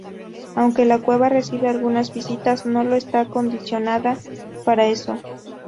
Aunque la cueva recibe algunas visitas, no lo está acondicionada para eso.